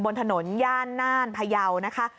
บนถนนญาณอานพายาวนะคะ